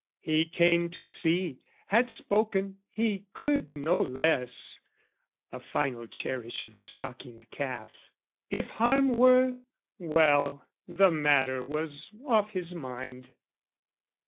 He came to see; had spoken, he could no less (A final cherish of the stockinged calf) If harm were, well, the matter was off his mind.